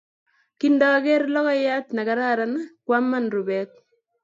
Kindager logoyat ne kararan kwaman rubet.